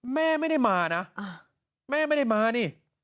แม่ไม่ได้มานะแม่ไม่ได้มานี่